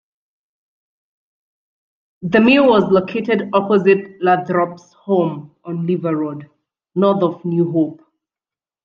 The mill was located opposite Lathrop's home on River Road, north of New Hope.